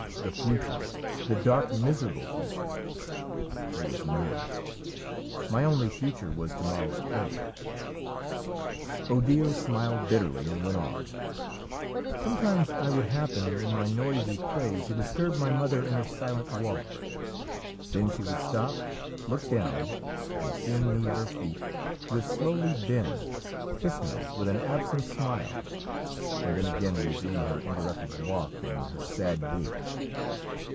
the future! the dark, miserable future! there was none! My only future was to morrow's play!" Odile smiled bitterly and went on: "Sometimes I would happen, in my noisy play, to disturb my mother in her silent walk; then she would stop, look down, and, seeing me at her feet, would slowly bend, kiss me with an absent smile, and then again resume her interrupted walk and her sad gait.